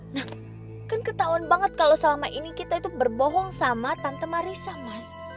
nah kan ketahuan banget kalau selama ini kita itu berbohong sama tante marisa mas